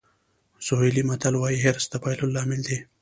سوهیلي متل وایي حرص د بایللو لامل دی.